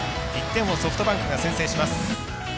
１点をソフトバンクが先制します。